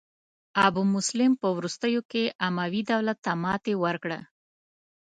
ابو مسلم په وروستیو کې اموي دولت ته ماتې ورکړه.